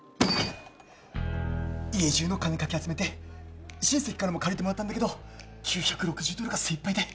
家じゅうの金かき集めて親戚からも借りてもらったんだけど９６０ドルが精いっぱいで。